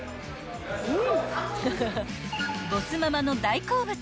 ［ボスママの大好物］